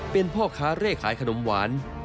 เป็นพ่อค้าเร่ขายขนมหวาน